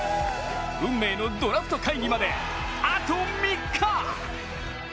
運命のドラフト会議まであと３日！